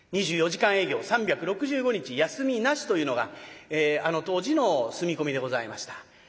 ２４時間営業３６５日休みなしというのがあの当時の住み込みでございました。